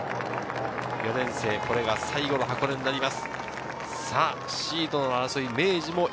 ４年生、これが最後の箱根です。